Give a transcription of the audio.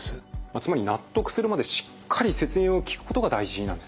つまり納得するまでしっかり説明を聞くことが大事なんですね。